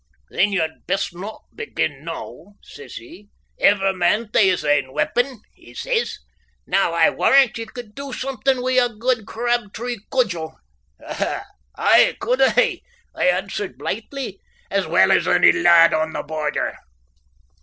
"Then you'd best not begin noo," says he. "Every man tae his ain weepon," he says. "Now I warrant ye could do something wi' a guid crab tree cudgel!" "Aye, could I," I answered blithely, "as well as ony lad on the Border."